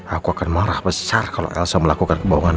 aku akan marah besar kalo elsa melakukan kebohongan lagi